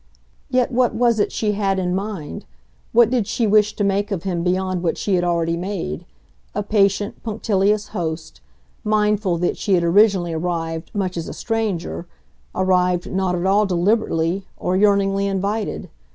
Yet what was it she had in mind, what did she wish to make of him beyond what she had already made, a patient, punctilious host, mindful that she had originally arrived much as a stranger, arrived not at all deliberately or yearningly invited?